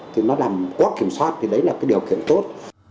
thì nó làm quá kiểm soát thì đấy là cái điều kiện tốt